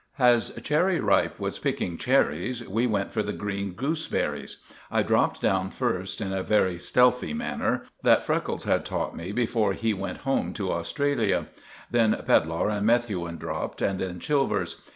As Cherry Ripe was picking cherries, we went for the green gooseberries. I dropped down first in a very stealthy manner, that Freckles had taught me before he went home to Australia; then Pedlar and Methuen dropped, and then Chilvers.